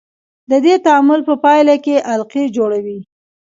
د دې تعامل په پایله کې القلي جوړوي.